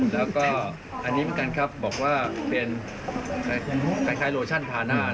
แล้วก็อันนี้เหมือนกันครับบอกว่าเป็นคล้ายโลชั่นทาหน้า